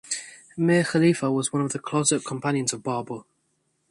Mir Khalifa was one of the closet companions of Babur.